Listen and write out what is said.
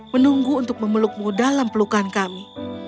menunggu untuk memelukmu dalam pelukan kami